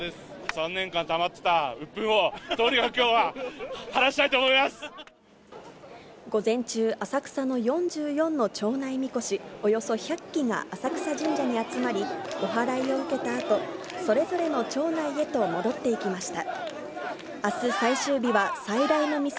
３年間たまってたうっぷんをとにかくきょうは、晴らしたいと午前中、浅草の４４の町内みこし、およそ１００基が浅草神社に集まり、お払いを受けたあと、それぞれの町内へと戻っていきました。